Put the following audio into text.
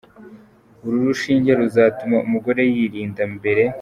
Uru rushinge ruzatuma umugore yirinda mbere.